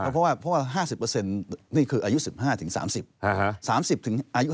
เพราะว่า๕๐นี่คืออายุ๑๕๓๐ถึงอายุ